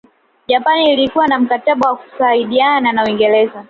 Japani ilikuwa na mkataba wa kusaidana na Uingreza